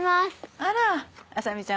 あら麻美ちゃん